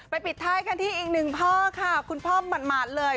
ปิดท้ายกันที่อีกหนึ่งพ่อค่ะคุณพ่อหมาดเลย